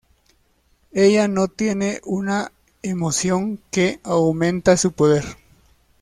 Ella no tiene una emoción que aumenta su poder.